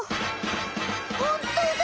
ほんとだ！